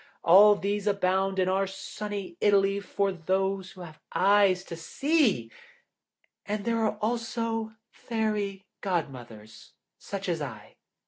All these abound in our sunny Italy for those who have eyes to see; and there are also Fairy Godmothers, such as I.